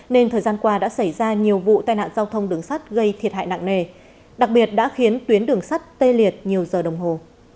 nên thời gian qua đã xảy ra nhiều vụ tai nạn giao thông đường sắt gây thiệt hại nặng nề đặc biệt đã khiến tuyến đường sắt tê liệt nhiều giờ đồng hồ